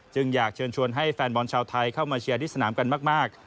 อยากเชิญชวนให้แฟนบอลชาวไทยเข้ามาเชียร์ที่สนามกันมาก